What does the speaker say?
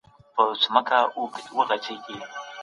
پانګونه هر کله ښې پايلي لري.